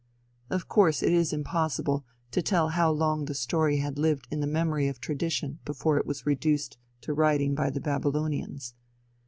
Of course it is impossible to tell how long the story had lived in the memory of tradition before it was reduced to writing by the Babylonians.